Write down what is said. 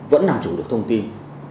vẫn nằm chủ được thông tin